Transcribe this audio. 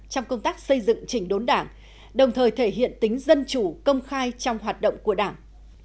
trong công tác xây dựng trình đốn đảng đồng thời thể hiện tính dân chủ công khai trong hoạt động của đảng